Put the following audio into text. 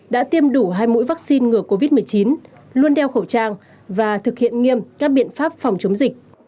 đã tiêm đủ hai mũi vaccine ngừa covid một mươi chín luôn đeo khẩu trang và thực hiện nghiêm các biện pháp phòng chống dịch